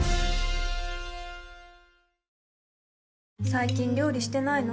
最近料理してないの？